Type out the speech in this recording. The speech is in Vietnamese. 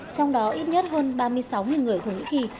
trong đó ít nhất hơn ba mươi sáu người thủy hĩ kỳ